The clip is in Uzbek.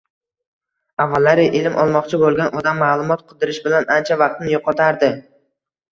Avvallari ilm olmoqchi bo‘lgan odam ma’lumot qidirish bilan ancha vaqtini yo‘qotardi.